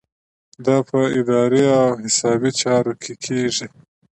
دا په اداري او حسابي چارو کې کیږي.